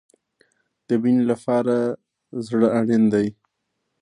د مینې لپاره زړه اړین دی